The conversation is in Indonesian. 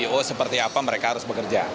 dengan ceo seperti apa mereka harus bekerja